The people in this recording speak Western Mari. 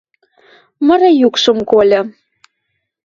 Мыры юкшым кольы